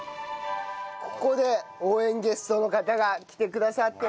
ここで応援ゲストの方が来てくださってます。